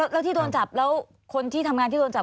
แล้วที่โดนจับแล้วคนที่ทำงานที่โดนจับ